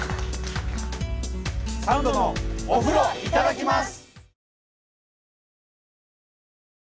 「サンドのお風呂いただきます」。